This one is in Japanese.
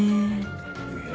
いや。